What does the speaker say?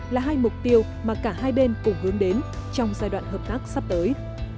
là hai mục tiêu mà cả hai bên cùng hướng đến trong giai đoạn hợp tác sắp tới